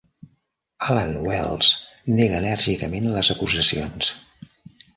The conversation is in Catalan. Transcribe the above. Allan Wells nega enèrgicament les acusacions.